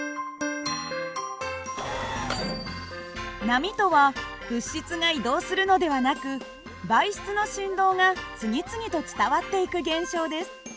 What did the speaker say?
波とは物質が移動するのではなく媒質の振動が次々と伝わっていく現象です。